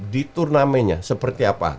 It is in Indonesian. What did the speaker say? di turnamenya seperti apa